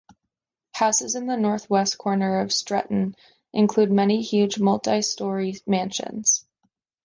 Houses in the north-west corner of Stretton include many huge, multi-storey mansions.